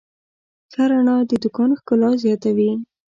ښه رڼا د دوکان ښکلا زیاتوي.